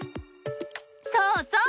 そうそう！